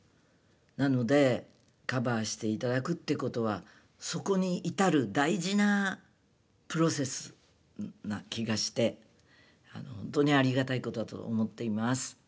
なのでカバーして頂くってことはそこに至る大事なプロセスな気がしてほんとにありがたいことだと思っています。